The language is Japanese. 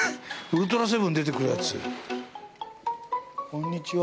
こんにちは。